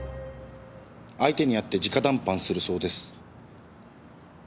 相手に会って直談判するそうです。